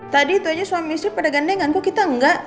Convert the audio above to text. tadi itu aja suami istri pada gandenganku kita enggak